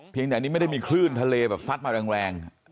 เพียงแต่อันนี้ไม่ได้มีคลื่นทะเลสัดมาแรง